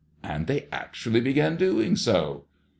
* And they actually began doing so."